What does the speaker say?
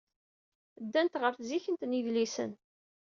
Ddant ɣer tzikkent n yidlisen.